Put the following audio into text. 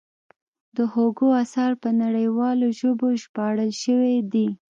د هوګو اثار په نړیوالو ژبو ژباړل شوي دي.